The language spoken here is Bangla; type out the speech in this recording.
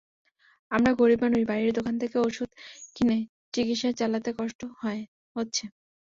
আমরা গরিব মানুষ, বাইরের দোকান থেকে ওষুধ কিনে চিকিৎসা চালাতে কষ্ট হচ্ছে।